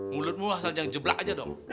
mulutmu asal yang jeblak aja dong